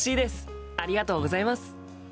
ありがとうございます。